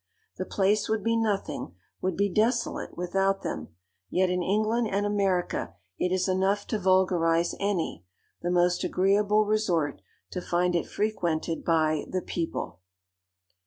The place would be nothing—would be desolate, without them; yet in England and America it is enough to vulgarize any—the most agreeable resort, to find it frequented by the "people!"